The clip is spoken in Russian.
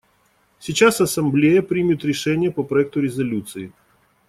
Сейчас Ассамблея примет решение по проекту резолюции.